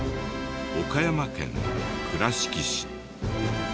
岡山県倉敷市。